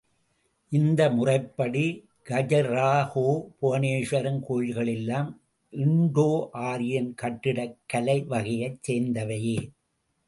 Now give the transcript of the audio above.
இந்த முறைப்படி கஜுராஹோ புவனேஸ்வரம் கோயில்கள் எல்லாம் இண்டோ ஆரியன் கட்டிடக் கலை வகையைச் சேர்ந்தவையே.